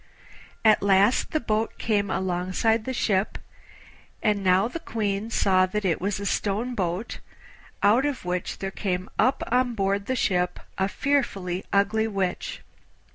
At last the boat came alongside the ship, and now the Queen saw that it was a stone boat, out of which there came up on board the ship a fearfully ugly Witch.